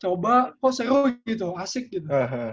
coba kok seru gitu asik gitu